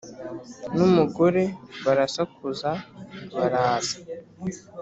nu mugore barasakuza baraza